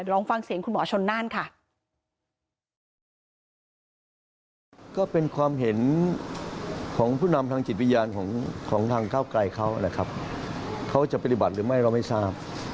เดี๋ยวเราลองฟังเสียงคุณหมอชนนั่นค่ะ